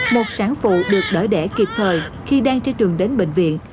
một sản phụ được đỡ đẻ kịp thời khi đang trên đường đến bệnh viện